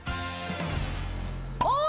あ！